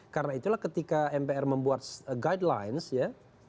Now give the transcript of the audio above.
karena itulah ketika mpr membuat guidelines ya